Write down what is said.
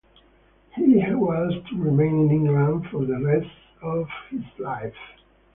He was to remain in England for the rest of his life.